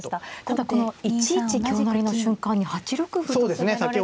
ただこの１一香成の瞬間に８六歩と攻められたら。